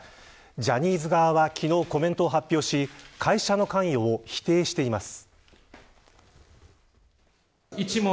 ジャニーズ側は昨日コメントを発表し会社の関与を否定しています。